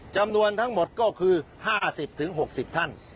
จำนวนทั้งหมดก็คือ๕๐๖๐ท่าน